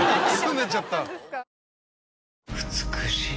美しい。